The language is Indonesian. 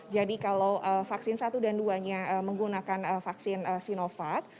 jadi kalau vaksin satu dan duanya menggunakan vaksin sinovac